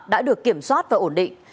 đã được kiểm soát và ổn định